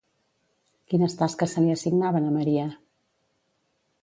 Quines tasques se li assignaven a Maria?